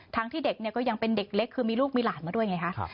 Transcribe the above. ที่เด็กก็ยังเป็นเด็กเล็กคือมีลูกมีหลานมาด้วยไงคะ